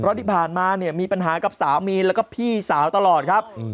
เพราะที่ผ่านมาเนี่ยมีปัญหากับสามีแล้วก็พี่สาวตลอดครับ